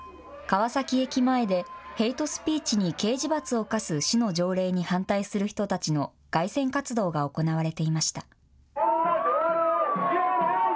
川崎駅前でヘイトスピーチに刑事罰を科す市の条例に反対する人たちの街宣活動が行われていました。